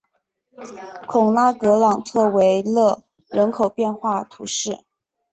孔拉格朗德维勒人口变化图示